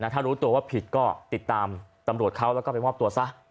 ถ้ารู้ตัวว่าผิดก็ติดตามตำรวจเขาแล้วก็ไปมอบตัวซะ